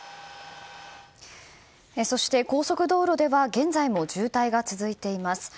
そして高速道路では現在も渋滞が続いています。